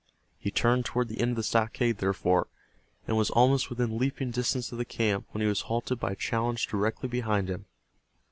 He turned toward the end of the stockade, therefore, and was almost within leaping distance of the camp when he was halted by a challenge directly behind him.